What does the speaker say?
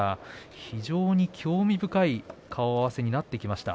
非常に興味深い顔合わせになってきました。